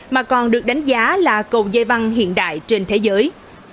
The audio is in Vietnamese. mà còn được đánh giá là cầu dây văn hiện đại trên thế giới